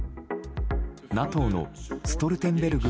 ＮＡＴＯのストルテンベルグ